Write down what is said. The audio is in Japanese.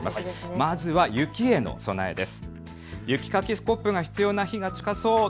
まず雪への備えです。